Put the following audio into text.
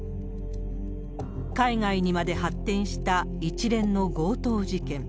海外にまで発展した一連の強盗事件。